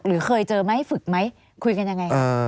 เคยเจอไหมฝึกไหมคุยกันยังไง